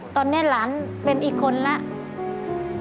ตอนนี้หลานเป็นอีกคนแล้ว